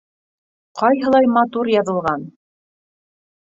Ҡайһылай матур яҙылған.